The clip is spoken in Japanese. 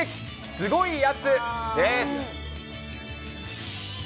すごいやつです。